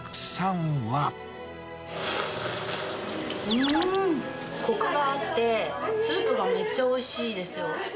うーん、こくがあって、スープがめっちゃおいしいですよ。